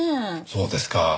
そうですか。